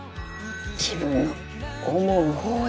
自分の思う方へ。